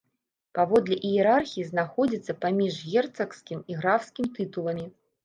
Паводле іерархіі знаходзіцца паміж герцагскім і графскім тытуламі.